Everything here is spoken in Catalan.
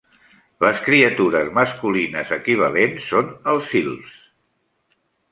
Les criatures masculines equivalents són els silfs.